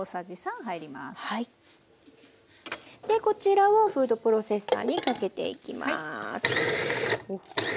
こちらをフードプロセッサーにかけていきます。